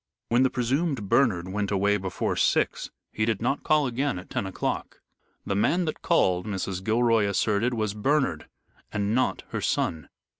When the presumed Bernard went away before six, he did not call again at ten o'clock. The man that called, Mrs. Gilroy asserted, was Bernard, and not her son.